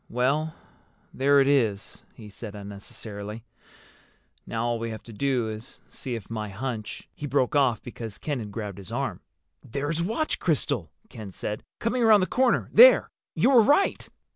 "Well, there it is," he said unnecessarily. "Now all we have to do is see if my hunch—" He broke off because Ken had grabbed his arm. "There's Watch Crystal!" Ken said. "Coming around the corner there! You were right!"